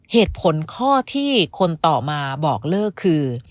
เหตุผลข้อที่คนต่อมาบอกเลิกคือ